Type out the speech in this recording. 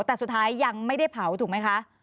แต่สุดท้ายยังไม่ได้เผาถูกไหมคะ